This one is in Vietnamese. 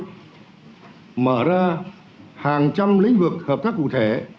mở ra hàng trăm lĩnh vực hợp tác cụ thể